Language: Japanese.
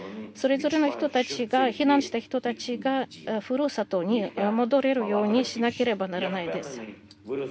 それぞれの人たちが避難した人たちが故郷に戻れるようにしなければならないです。